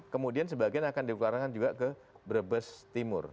kemudian sebagian akan dikeluarkan juga ke brebes timur